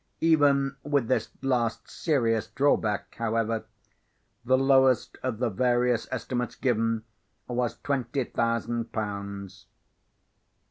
Even with this last serious draw back, however, the lowest of the various estimates given was twenty thousand pounds.